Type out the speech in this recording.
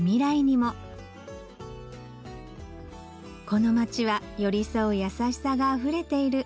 この街は寄り添う優しさがあふれている